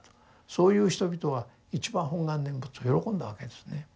そういう人々は一番本願念仏を喜んだわけですね。